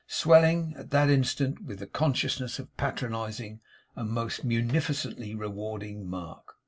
Swelling, at that instant, with the consciousness of patronizing and most munificently rewarding Mark!